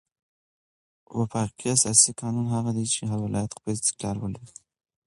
وفاقي اساسي قانون هغه دئ، چي هر ولایت خپل استقلال ولري.